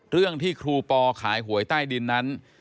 เรื่องที่ครูปอขายหวยใต้ดินนั้น